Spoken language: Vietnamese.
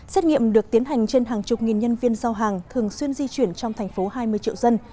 xét nghiệm được tiến hành trên hàng chục nghìn nhân viên giao hàng thường xuyên di chuyển trong thành phố hai mươi triệu dân